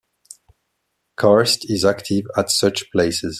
Karst is active at such places.